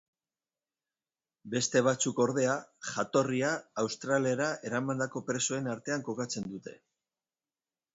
Beste batzuk ordea, jatorria Australiara eramandako presoen artean kokatzen dute.